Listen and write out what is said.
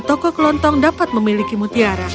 toko kelontong dapat memiliki mutiara